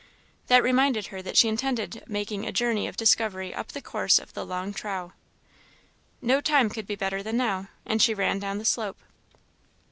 That reminded her that she intended making a journey of discovery up the course of the long trough. No time could be better than now; and she ran down the slope.